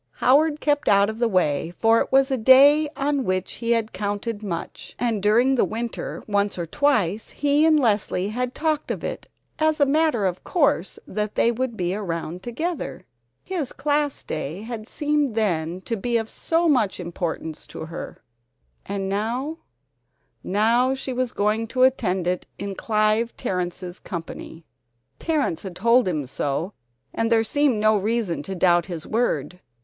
Howard kept out of the way, for it was a day on which he had counted much, and during the winter once or twice he and Leslie had talked of it as a matter of course that they would be around together. His Class Day had seemed then to be of so much importance to her and now now she was going to attend it in Clive Terrence's company! Terrence had told him so, and there seemed no reason to doubt his word.